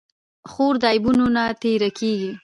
خور د عیبونو نه تېره کېږي.